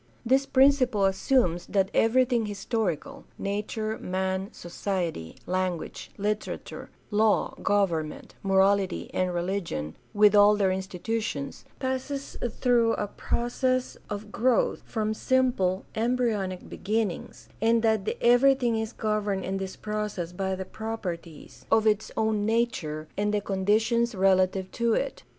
This principle assumes that everything historical — nature, man, society, language, hterature, law, government, morafity, and religion, with all their institutions — passes through a process of growth from simple, embryonic beginnings, and that every thing is governed in this process by the properties of its own 460 GUIDE TO STUDY OF CHRISTIAN RELIGION nature and the conditions relative to it.